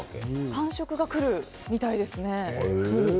感触が来るみたいですね。